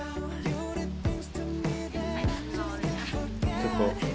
ちょっと。